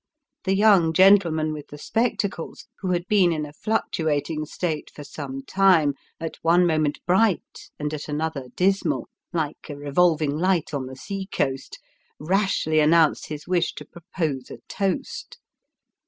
The young gentleman with the spectacles, who had been in a fluctuating state for some time at one moment bright, and at another dismal, like a revolving light on the sea coast rashly announced his wish to propose a toast.